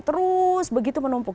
terus begitu menumpuk